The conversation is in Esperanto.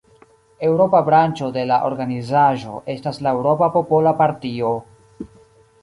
Eŭropa branĉo de la organizaĵo estas la Eŭropa Popola Partio.